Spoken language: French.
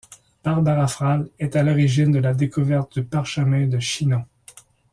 Barbara Frale est à l'origine de la découverte du Parchemin de Chinon.